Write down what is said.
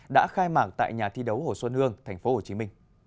đã khai mạng tại nhà thi đấu hồ xuân hương tp hcm